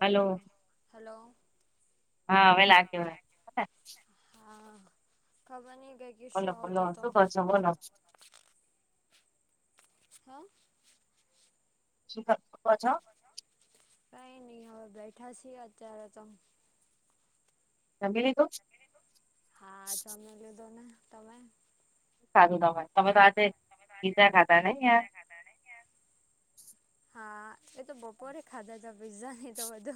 [inaudible] Hello. Hello. હા હવે લાગ્યો [inaudible] હા ખબર નઈ કઈક ઈશ્યૂ આવતો હતો [unintelligible] હા. [unintelligible] કઈ નહી હવે બેઠા છી અત્યારે તો જમી લીધું જ હા જમી લીધો ને તમે સારું ના હોય તમે તો આજે ખાધી ભજીયા ખાધા [unintelligible] હા એટલે તો બપોરે ખાધા તા પિઝા ને એતો બધુ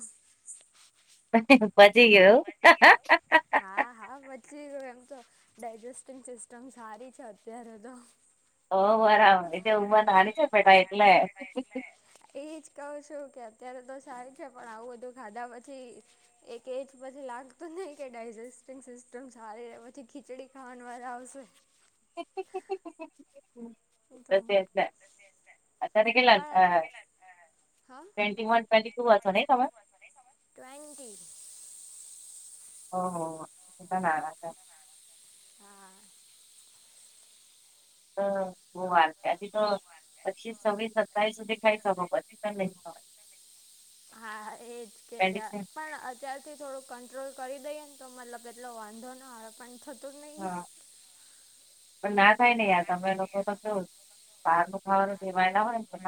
[unintelligible] [inaudible] હા હા મછલી ગયા એમ તો ડાયજેસ્ટંગ સિસ્ટમ સારી છે અત્યારે તો. ઓહ વારા એજ ઉભા [unintelligible] એટલે. એજ કહું છું કે અત્યારે તો સારું છે પણ આવું બધું ખાધા પછી એક એ જ પછી લાગતું નહી કે ડાયજેસ્ટ સિસ્ટમ સારી પછી ખીચડી ખાવાનું વારો આવશે. [inaudible] અત્યારે તા અત્યારે કેલા થયા. ટ્વેન્ટી વન ટ્વેન્ટી ટુ હશે નહી તમારો. ઓ ઓ હ હા. હા. વાર આધ તો પચીસ સવ્વીસ સત્તાવીસ સુધી ખાઈ શકો પછી. [inaudible] હા એજ કેજ પણ અ ત્યારથી થોડુંક કંટ્રોલ કરી દઈએ ને તો મતલબ એટલો વાંધો નો આવે પણ થતો હા પણ ના થાય ને યાર તમે લોકો તો કેવું. બાર નું ખાવાનું ટેવાએલા હોય ને તો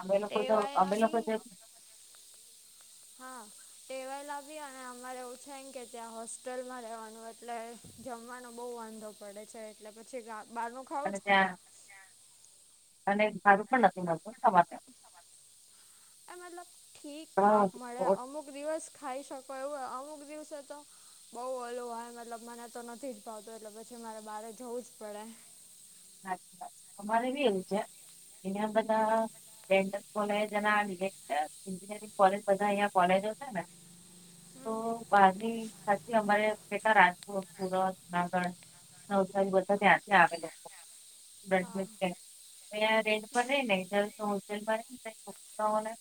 અમે લોકો તો અમે લોકો હા. ટેવાય લા ભી અને અમારે એવું થાય ને કે ત્યાં હોસ્ટેલમાં રહેવાનું એટલે જમવાનો બહુ વાંધો પડે છે એટલે પછી બહારનું ખાવું જ પડે. અને સારું પણ નથી મળતું ત્યા. એ મતલબ ઠીકઠાક મળે અમુક દિવસ ખાઈ શકો એવું હોય અમુક દિવસે તો બઉ ઓલું હોય મતલબ મને તો નથી જ ભાવતું એટલે પછી મારે બારે જવું જ પડે. અમારે બી એવું છે એ બધા રેન્ડમ કોલેજ એના એન્જિનિયરિંગ કોલેજ અહીંયા બધા કોલેજો છે ને તો બહારની ખાસી અમારે કેતા રાજકોટ સુરત નાગર નવસારી બધા ત્યાંથી આવે લોકો. [unintelligible] અ રેન્ટ પર રહી ને હોટેલમાંને.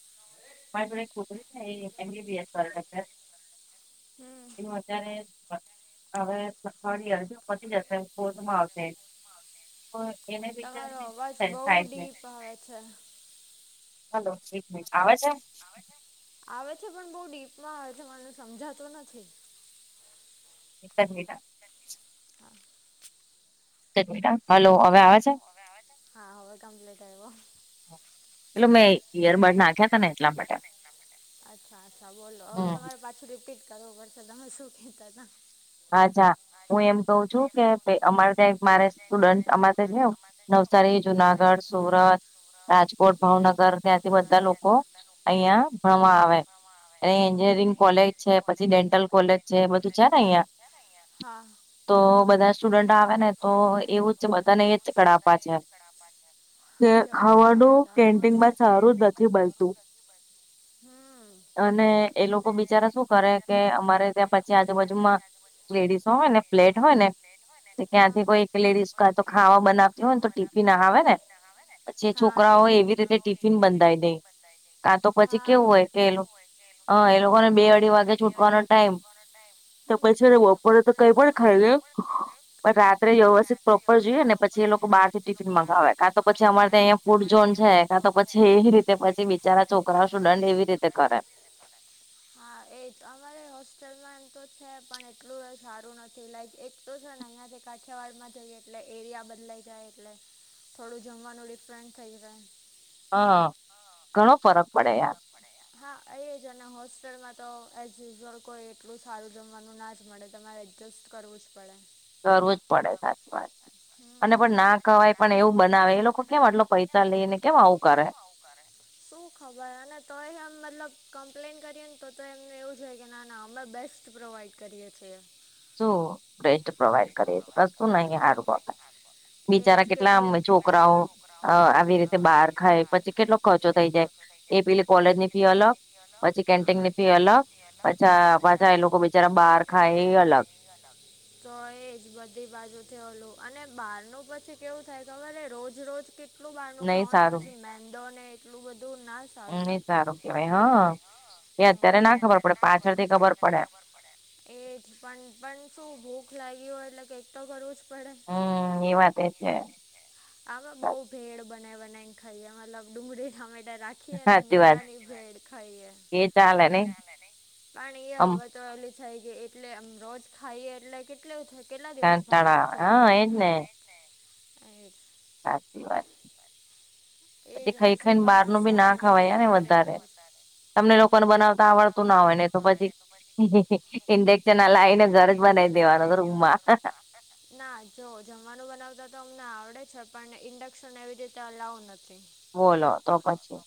મારી જોડે ‌છોકરી એ એબીપિએસ કરે છે. એનું અત્યારે હવે લખવાડી હરજી પતી જશે બોધમાં આવશે. પણ એને બીચારી ને એસામૈણ. હલો એક મિનિટ આવે છે. આવે પણ બહુ ડીપમાં આવે છે મનેને સમજાતું નથી. એકજ મિનિટ. એકજ મિનિટ હલો હવે આવે છે. હવે આવે છે. હા હવે કમ્પ્લીટ આવ્યો. એટલે મેં ઈયરબડ નાખ્યા હતા ને એટલા માટે. અચ્છા અચ્છા બોલો હવે તમારે પાછું રિપીટ કરવું પડશે તમે શું કેતા‌ તા અ્છા હું એમ કઉ છું કે અમારે ત્યાં મારે સ્ટુડન્ટ અમારે છે. નવસારી જુનાગઢ સુરત રાજકોટ ભાવનગર ત્યાંથી બધા લોકો અહિયાં ભણવા આવે. એ એન્જિનિયરિંગ કોલેજ છે પછી ડેન્ટલ કોલેજ છે એ બધું છે ને અહિયાં. હા. તો બધા સ્ટુડન્ટ આવે ને તો એવું જ બધાને એજ ચકળ આપવા છે. ખાવાનું કેન્ટિનમાં સારું જ નથી બનતું. અને એ લોકો બિચારા શું કરે કે અમારે ત્યાં પછી આજુબાજુમાં. લેડીસો હોય ને પ્લેટ હોય ને. ક્યાંથી કોઈ એક લેડીસ કાંતો ખાવા બનાવતી હોય ને તો ટીફીન આવે ને. પછી છોકરાઓ એવી રીતે ટિફિન બંધાવી દે. કાતો પછી કેવું હોય કે એ લોક હહ એ લોકોને બે અઢી વાગે છૂટવાનો ટાઈમ. તો પછીને બપોરે તો કઈ પણ ખાઈ લે. પણ રાત્રે વ્યવસ્થિત પ્રોપર જોઈએ ને પછી એ લોકો બારથી ટિફિન મંગાવે. કાંતો પછી અમારે ત્યાં અહીંયા ફૂડઝોન છે કાંતો પછી એ રીતે પછી બિચારા છોકરાઓ શું દંડ એવી રીતે કરે. હા એજ અમારે હોસ્ટેલમાં એમ તો છે પણ એટલું એ સારું નથી લાઈક એક તો છે ને અહિયા જે કાઠિયાવાડમાં જઈએ એટલે એરિયા બદલાઈ જાય એટલે. થોડું જમવાનું ડિફરન્ટ થઈ જાય. હા ઘણો ફરક પડે યાર. હા એજ અને હોસ્ટેલમાં તો એઝ યુઝઅલ કોઈ એટલું સારું જમવાનું ના જ મળે તમારે એડ જસ્ટ કરવું જ પડે. કરવું જ પડે સાચી વાત છે. અને પણ ના ખવાય પણ એવું બનાવે એ લોકો કેમ આટલો પૈસા લઈને કેમ આવું કરે. શું ખબર અને તોય એમ મતલબ કમ્પ્લેન કરીએ ને તો તો એમને એવું જ હોય કે ના ના અમે બેસ્ટ પ્રોવાઈડ કરીએ છીએ. શું બેસ્ટ પ્રોવાઈડ કરીએ છીએ કશું નહી હારું પોતા. બિચારા કેટલા આમ છોકરાઓ. અ આવી રીતે બહાર ખાય. પછી કેટલો ખર્ચો થઈ જાય. એ પેલી કોલેજ ની ફી અલગ પછી કેન્ટીનની ફી અલગ, પછા પાછા એ લોકો બિચારા બહાર ખાય એ અલગ. તો એજ બધી બાજુથી ઓલું અને બહારનું પછી કેવું થાય ખબરે રોજ રોજ કે કેટલું બારનું ખાઓને પછી મેંદોને એટલું બધું ના એ સારું કેવાય હા. એ અત્યારે ના ખબર પડે પાછળથી ખબર પડે. એજ પણ પણ શું ભૂખ લાગી હોય એટલે કઈક તો કરવું જ પડે. હમ એ વાતે છે. અમે બહુ ભેળ બનાવી બનાવીને ખાઈએ મતલબ ડુંગળી ટામેટા રાખ ખી અને મમરાની ભેળ ખઈએ પણ એ હવે તો એલી થઈ ગઈ એટલે આમ રોજ ખાઈએ એટલે કેટલ થ કેટલા દિવસ ભાવે પછી તમને? સાચી વાત. પછી ખઈ ખઈને બહારનું બી ના ખાવાય ને વધારે તમને લોક કોને બનાવતા આવડતું ના હોય ને તો પછી. ઇન્ડેક્શન ના લાવીને ઘરે જ બનાવી દેવાનો રૂમમાં. ના જો જમવાનું બનાવતા તો અમને આવડે છે. પણ ઇન્ડક્શન એવી રીતે અલાઉવ નથી. બોલો તો પછી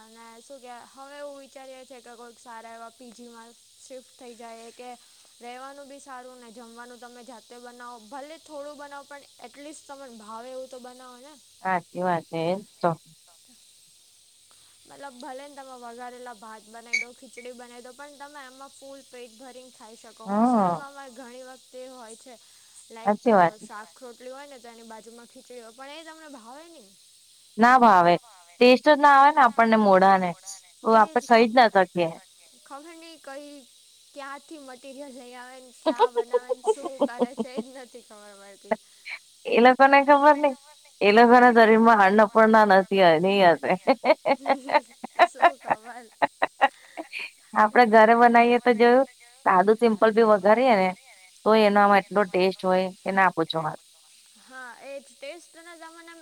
અને શું કે હવે એવું વિચારી છીએ કે કોઈક સારા એવા પીજીમાં શિફ્ટ થઈ જાઇએ કે રેવાનું બી સારું ને. જમવાનું તમે જાતે બનાવો ભલે થોડું બનાવો પણ એટલીસ્ટ તમે ભાવે એવું તો બનાવો ને. હાચી વાતે એતો. મતલબ ભલે ને તમે વઘારેલા ભાત બનાવી દો, ખીચડી બનાવી દો પણ તમે એમાં ફૂલ પેટ ભરીને ખાઈ શકો. હોસ્ટેલમાં અમારે ઘણી વખત એવું હોય છે લાઈક શા ખ રોટલી હોય ને તો એની બાજુમાં ખીચડી હોય પણ એ તમને ભાવે નહી. ના ભાવે. ટેસ્ટ જ ના આવે ને આપણને મોઢાને. એજ ખબર ખબર નહીં, કઈ ક્યાંથી મટીરિયલ લઇ આવે. ક્યા બનાવને શું કરે છે, એ જ નથી ખબર મળતી. એ કોને નહી. એ લોકો ના શરીર માં હાનપણ ના નથી હોય, નહ હ. હ, શું કવાલ. આપડે ઘરે બનાવીએ. સાદું સિમ્પલ ભી વધઘારીએ ને, તો એનો આમાં એટલો ટેસ્ટ હોય એ ના પૂછો મા. હા, એ ટેસ્ટ ના જમાને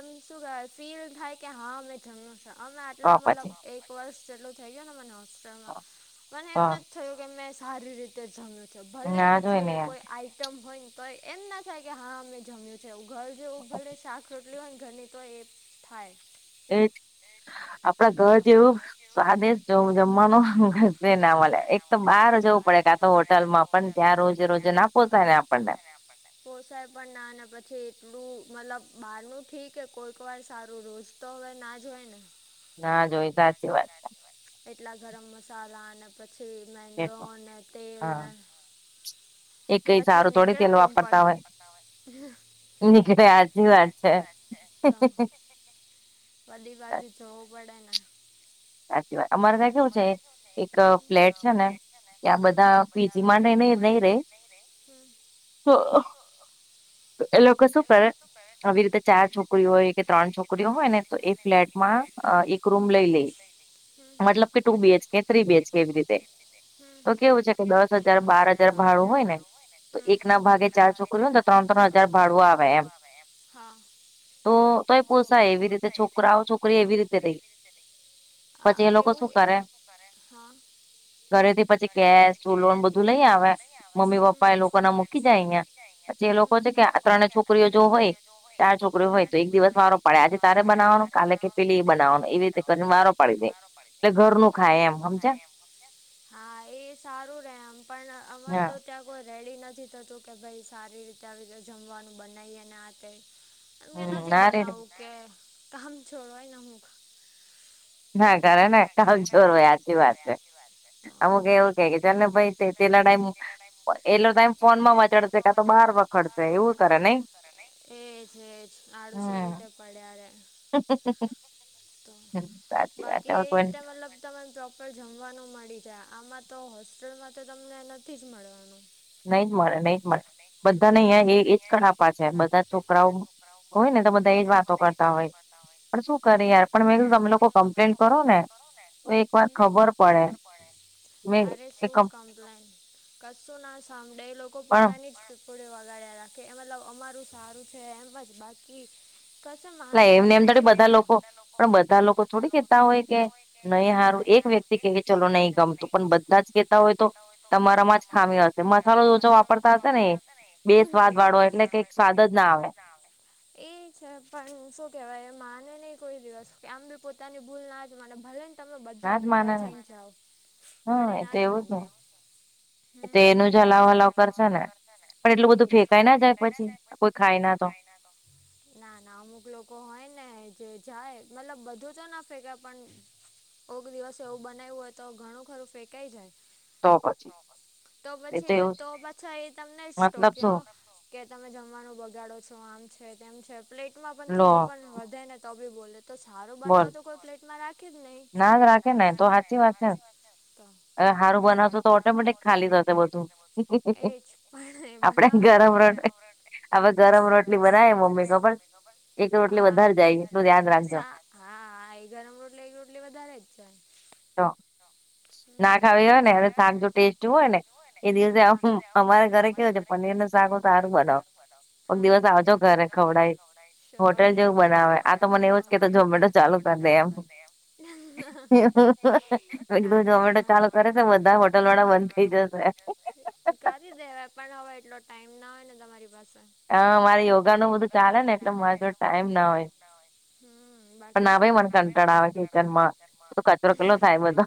એમ શ ફીલ થાય કે? હા મેમ. અમે મતલબ વર્ષ જેટલું થઈ ગયું ને, મને હોસ્ટેલમાં મ એમ નથી. થયું કે, મેં સારી રીતે જમ્યું છે, ભલે પછી કોઈ આઈટમ હોય ને, તો એમ ના થાય. કે હા મે જમ્યું છે, એ ઘર જેવું ભલે શાક રોટલી હોય ને, ઘરની તો એ થાય. એ આપડા ઘર જેવું સ્વાદેશ જમવાનો. ના મળે, એક તો બહાર જવું પડે, કા તો હોટલમાં પણ ત્યાં રોજે રોજે ના પોહ થાય ને આપણને. પોસાય પણ ના અને પછી એટલું મતલબ બહારનું થી કે, કોઈક વાર સારું રોજ. તો હવે ના જ હોય ને. ના. કેટલા ગરમ મસાલા અને. પછી મેંદાને તેલને એ કઈ સારું થોડી તેલ વાપરતા હોય. એ કેટ આજ વા છે. બધી બાજુ જવું. વાય અમારે ત્યાં કેવું છે? એક ફ્લેટ છે ને, ત્યાં બધા પીજી માં ન ન નઈ રે. હ, એ લોકોકસું. આવી રીતે ચાર છોકરીઓ હોય કે, ત્રણ છોકરીઓ હોય ને તો એ ફ્લેટમાં રૂમ લે. કે ટુ બીએચ કે થ્રી કે એવી રીતે. તો કેવું છે કે, દસ હજાર, બાર હજાર ભાડું હોય ને. તો એક ના ભાગે ચાર છોકરીઓ હોયને, તો ત્રણ-ત્રણ હજાર ભાડું આવે એમ. તો, તો પોસાય એવી રીતે છોકરાઓ છોકરી એવી રહી. હ, એવું એ લોકો શું કરે? હા. ઘરે થી પછી કેશ લોન બધું લઈ આવે, મમ્મી પપ્પા એ લોકો ના કી જાય અહિયાં પછી એ લોકો છે કે, આ ત્રણે છોકરીઓ જો હોય. ચાર છોકરીઓ હોય તો, એક દિવસ વારો પડે, આજે તારે બનાવાનો કાલે કે, પેલી એ બનાવાનો એવી રીતે વારો. પડી દે, એટલે ઘર નું ખાય એમ હમજ્યા. એ સારું રેમ પણ અમલ તો ત્યાં કોઈ રેડી નથી થતું કે, ભાઈ સારી રીતે રતે જમવાનું બનાવીએ ને આ તે એમને નથી બનાવવું કે, કમ છોડવાય ને હું. ના કરરે ને, ક જોર હોય આથી વાત છે. અમુક એવું કે, કે ચ ને ભાઈ તે તે લડામ. એટલો ટાઈમ ફોન માં મચેડશે કા, તો બહાર રખડશે એવું કરે નઈ. એજ એજ આડુસો રીતે પડ્યા રે. હમ, હમ. તો બાકી એ રીતે મતલબ તમે જમવાનું મળી જાય, આમાં તો હોસ્ટેલમાં તો તમને નથી જ મળવાનું. નહી જ મળે નહી જ મળે બધાને અહં એ એજ કણા પા છે બધા છોકરાઓ હોય ને તો બધા એજ વાતો કરતા હોય પણ શું કરે યાર પણ મેં કીધું તમે લોકો તમે લોકો કમ્પ્લેન કરો ને તો એકવાર ખબર પડે અરે શું કમપેલન કશુ ના સાંભળે એ લોકો પોતાની જ થોડ વગાડ્યા રાખે એ મતલબ અમારું સારું છે એમ જ બાકી કસુ માનતા જ નથી એ લોકો બધા લોકો થોડી કેતા હોય કે નહીં હારું એક વ્યક્તિ કે ચલો નહીં ગમતું પણ બધા જ કેતા હોય તો તમારામાં જ ખામી હશે મસાલો વાપરતા હશે ને [unintelligible] એટલે કઈ સ્વાદ જ ના આવે એ છે પણું શું કેહેવાય માને નહીં કોઈ દિવસ કે આમ બી પોતાની ભૂલ ના જ માને ભલે તમે બધા ભેગા થઈ જાવ પણ એ ના જ માને તો એનું જ હલાવ હલાવ કરશે ને પણ એટલું બધું ફેંકાય ના જાય પછી કોઈ ખાય ના તો ના ના અમુક લોકો હોય ને જે જાય મતલબ બધું તો ના ફેંકાય પણ કોગ દિવસે એવું બનાવું હોય તો ઘણું ખરું ફેંકાઈ જાય તો પણ તો પછી તો પછી એ તમને જ તો કેયો કે તમે જમવાનું બગાડો છો આમ છે તેમ છે પ્લેટમાં પણ થોડું પણ વધે ને તો બી બોલે તો સારો બનાવ તો કોઈ પ્લેટમાં રાખે જ નહીં નાજ રાખે ને તો હાચી વાત છે. હારું બનાવશો તો ઓટોમેટિક ખાલી થશે બધું હમ હમ આપડે ગરમ રોટલી આપવે ગરમ રોટલી બનાય મમ્મી ખબર એક રોટલી વધારે જાય એટલું ધ્યાન રાખજો હા એ ગરમ રોટલી એક રોટલી વધારે જ જાય તો ના ખાવી હોય ને અને શાક જો ટેસ્ટી હોય ને એ દિવસે અમા અમારે ઘરે કેવું છે પનીર નુ શાખ હુ તો હારું બનાવ કોક દિવસ આવજો ઘરે ખવડાય હોટેલ જેવું બનાવે આ તો મને એવું જ કે તો ઝોમેટો ચાલુ કરી દે એમ એવું મેં કીધું ઝોમેટો ચાલો કરે ને બધા હોટલ વાળા બંધ થઇ જશે કરી દેવા પણ હવે એટલો ટાઈમ ના હોય ને તમારી પાસે હ મારે યોગા નું બધું ચાલે ને એટલે મારો જોડ ટાઈમ ના હોય પણ આવે મન કન્ટાળ આવા કીચનમા તો કચરો કેટલો થાય બધો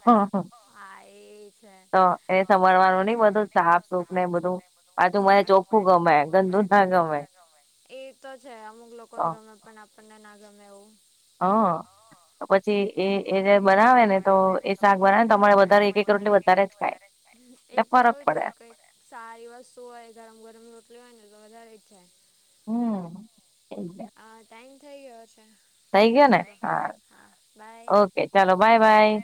તો એને સમારવાનું નઈ બધું સાફ સુફ ને બધું આતો મને ચોખ્ખું ગમે ગંદુ ના ગમે એ તો છે અમુક લોકોને ગમે પણ આપણને ના ગમે એવું હા પછી એ એ જે બનાવે તો એ શાક બનાવેને તો અમારે વધારે એક એક રોટલી વધારે જ ખાય એ તો એવું જ હોય કઈ સારી વસ્તુ હોય ગરમ ગરમ રોટલી હોય ને તો વધારે જ જાય હમ્મ એટલે આ ટાઈમ થઈ ગયો છે. થઈ ગયો ને હા ઓકે ચાલો બાય બાય